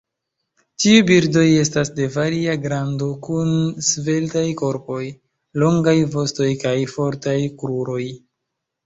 Tiuj birdoj estas de varia grando kun sveltaj korpoj, longaj vostoj kaj fortaj kruroj.